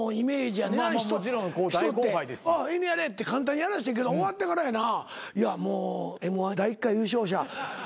やれって簡単にやらせたけど終わってからやなＭ−１第１回優勝者。